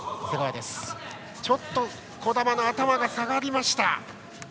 ちょっと児玉の頭が下がったか。